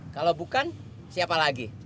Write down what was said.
kalau bukan siapa lagi